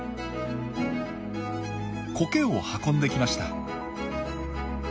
コケを運んできました。